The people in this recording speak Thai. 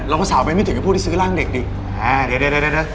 เราก็สาวไปไม่ถึงกับพวกที่ซื้อร่างเด็กดิอ่าเดี๋ยวเดี๋ยวเดี๋ยวเดี๋ยว